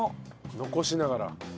残しながら。